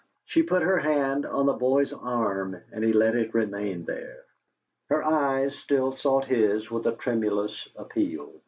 She put her hand on the boy's arm, and he let it remain there. Her eyes still sought his with a tremulous appeal.